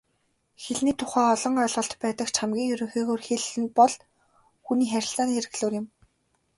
Хэлний тухай олон тодорхойлолт байдаг ч хамгийн ерөнхийгөөр хэл бол хүний харилцааны хэрэглүүр юм.